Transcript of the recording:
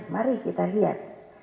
mari kita lihat